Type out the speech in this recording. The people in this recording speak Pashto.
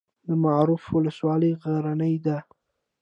د معروف ولسوالۍ غرنۍ ده